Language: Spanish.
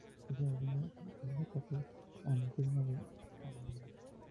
Es un alumino-silicato anhidro de amonio.